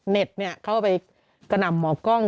เน็ตเนี่ยเข้าไปกระหน่ำหมอกล้อง